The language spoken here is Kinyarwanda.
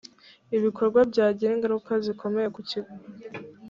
ibikorwa byagira ingaruka zikomeye ku kigo